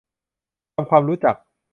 ทำความรู้จัก